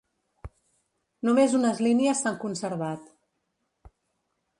Només unes línies s'han conservat.